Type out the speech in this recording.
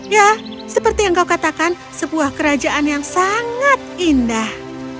ya seperti yang kau katakan sebuah kerajaan yang sangat indah